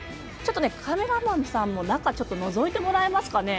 カメラマンさんも中のぞいてみてもらえますか。